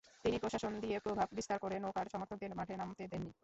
তিনি প্রশাসন দিয়ে প্রভাব বিস্তার করে নৌকার সমর্থকদের মাঠে নামতে দেননি।